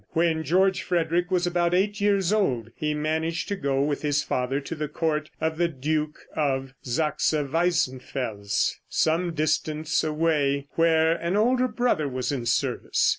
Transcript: When George Frederick was about eight years old, he managed to go with his father to the court of the duke of Saxe Weissenfels, some distance away, where an older brother was in service.